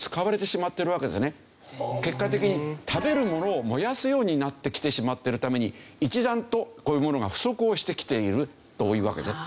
結果的に食べるものを燃やすようになってきてしまっているために一段とこういうものが不足をしてきているというわけですね。